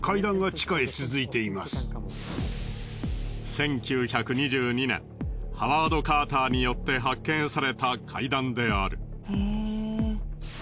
１９２２年ハワード・カーターによって発見された階段である。